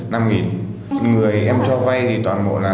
người em cho vai thì toàn bộ là